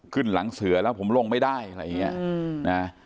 ขึ้นหลังเสือแล้วผมลงไม่ได้อะไรอย่างนี้นะ